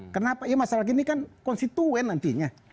kenapa ya masyarakat ini kan konstituen nantinya